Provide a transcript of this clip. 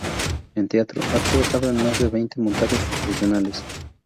En teatro, ha trabajado en más de veinte montajes profesionales.